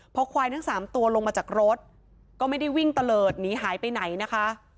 พอควายทั้ง๓ตัวลงมาจากรถก็ไม่ได้วิ่งตะเลิศหนีหายไปไหนนะคะ